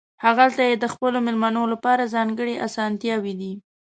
هغلته یې د خپلو مېلمنو لپاره ځانګړې اسانتیاوې دي.